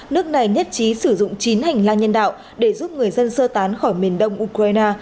nước này nhất trí sử dụng chín hành lang nhân đạo để giúp người dân sơ tán khỏi miền đông ukraine